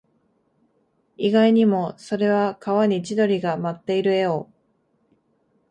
意外にも、それは川に千鳥が舞っている絵を